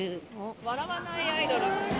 笑わないアイドル。